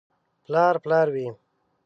• پلار پلار وي.